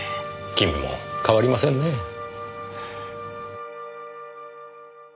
君も変わりませんねえ。